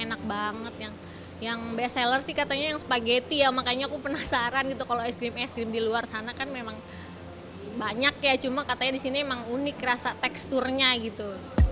enak banget yang best seller sih katanya yang spageti ya makanya aku penasaran gitu kalau es krim es krim di luar sana kan memang banyak ya cuma katanya disini emang unik rasa teksturnya gitu